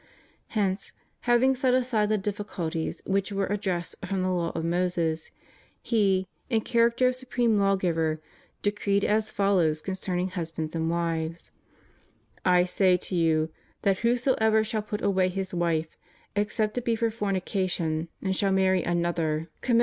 Hence, having set aside the difficulties which were adduced from the law of Moses, He, in character of supreme Lawgiver, decreed as follows concerning husbands and wives: / say to you, that whosoever shall put away his wife, except it be for fornication, and shall marry another, committetb * Amob.